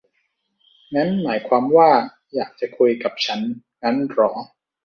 งั้นหมายความว่าอยากจะคุยกับฉันงั้นหรอ